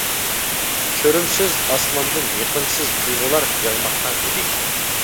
كۆرۈمسىز ئاسماندىن يېقىمسىز تۇيغۇلار ياغماقتا ئىدى.